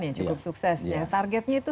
yang cukup sukses ya targetnya itu